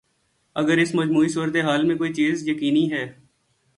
اگر اس مجموعی صورت حال میں کوئی چیز یقینی ہے۔